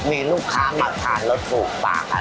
มีลูกค้ามาขาดรถถูกปากอะ